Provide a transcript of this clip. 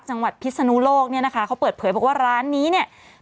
พิศนุโลกเนี่ยนะคะเขาเปิดเผยบอกว่าร้านนี้เนี่ย